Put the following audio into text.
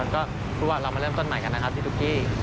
ก็พูดว่าเรามาเริ่มต้นใหม่กันนะครับพี่ตุ๊กกี้